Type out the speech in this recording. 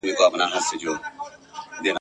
نه په غم کي د ګورم نه د ګوروان وو !.